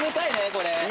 これ。